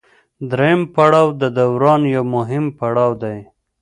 دریم پړاو د دوران یو مهم پړاو دی